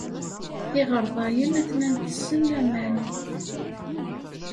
Iɣerḍayen atnan tessen aman.